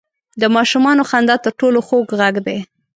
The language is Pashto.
• د ماشومانو خندا تر ټولو خوږ ږغ دی.